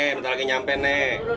sebentar lagi nyampe ne